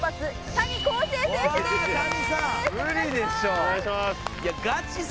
お願いします。